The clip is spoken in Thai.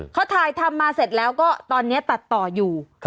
เขาถ่ายทำมาเสร็จแล้วก็ตอนนี้ตัดต่ออยู่